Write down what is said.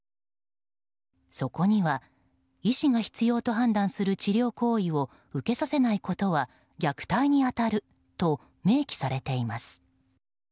そこには医師が必要と判断する治療行為を受けさせないことは虐待に当たると明記されています。